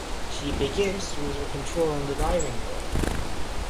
She begins to lose her control on the diving board.